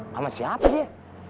sama siapa dia